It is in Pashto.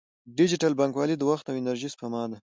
ډیجیټل بانکوالي د وخت او انرژۍ سپما ده.